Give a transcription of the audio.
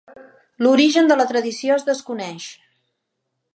L'origen de la tradició es desconeix.